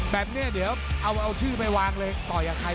แบบนี้เดี๋ยวเอาชื่อไปวางเลย